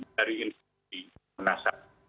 jadi ini menasar